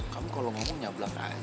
kamu kalau ngomongnya belakang aja